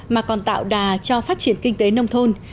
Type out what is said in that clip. mà còn tạo đà cho phát triển kinh tế nông thôn